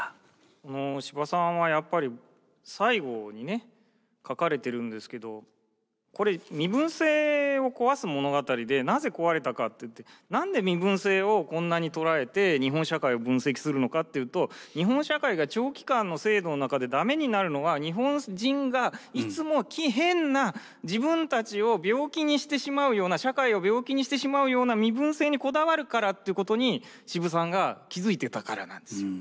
司馬さんはやっぱり最後にね書かれてるんですけどこれ身分制を壊す物語でなぜ壊れたかっていって何で身分制をこんなに捉えて日本社会を分析するのかっていうと日本社会が長期間の制度の中で駄目になるのは日本人がいつも変な自分たちを病気にしてしまうような社会を病気にしてしまうような身分制にこだわるからっていうことに司馬さんが気付いてたからなんですよ。